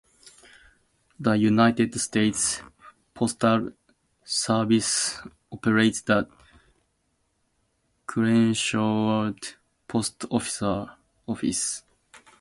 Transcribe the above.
The United States Postal Service operates the Crenshaw Post Office.